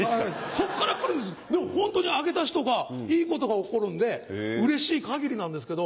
そっから来るんですでもホントにあげた人がいいことが起こるんでうれしい限りなんですけど。